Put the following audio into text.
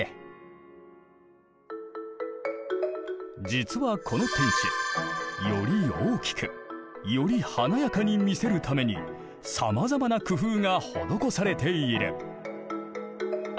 実はこの天守より大きくより華やかに見せるためにさまざまな工夫が施されている。